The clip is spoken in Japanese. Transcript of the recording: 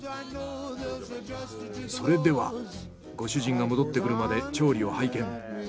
それではご主人が戻ってくるまで調理を拝見。